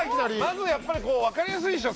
まずはやっぱりこうわかりやすいでしょ